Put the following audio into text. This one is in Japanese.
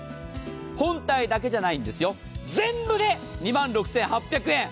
本体だけじゃないんですよ、全部で２万６８００円。